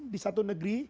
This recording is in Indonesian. di satu negeri